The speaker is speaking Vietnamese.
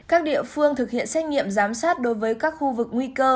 các địa phương thực hiện xét nghiệm giám sát đối với các khu vực nguy cơ